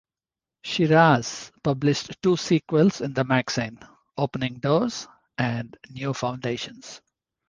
Shiras published two sequels in the magazine: "Opening Doors," and "New Foundations.